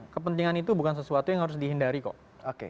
kepentingan itu bukan sesuatu yang harus dihindari kok